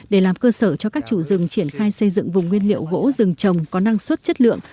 để làm cơ sở cho các chủ rừng triển khai xây dựng vùng nguyên liệu gỗ rừng trồng có năng suất chất lượng